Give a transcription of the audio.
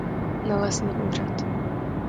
Na lesní úřad.